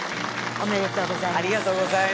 ありがとうございます。